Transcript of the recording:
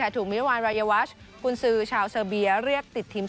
ถูกมิรวรรณรายวัชคุณซืชาวเสเบีย